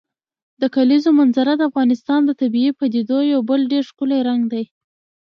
د کلیزو منظره د افغانستان د طبیعي پدیدو یو بل ډېر ښکلی رنګ دی.